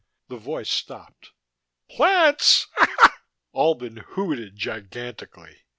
The voice stopped. "Plants?" Albin hooted gigantically.